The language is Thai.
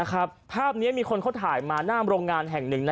นะครับพระนี้มีคนเขาถ่ายมาหน้ามโรงงานแห่งหนึ่งนะ